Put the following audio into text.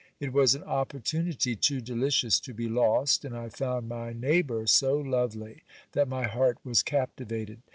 It was an opportunity too delicious to be lost ; and I found my neighbour so lovely that my heart was captivated.